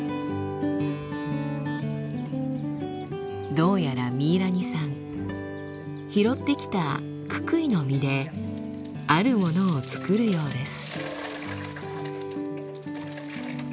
どうやらミイラニさん拾ってきたククイの実であるものを作るようです。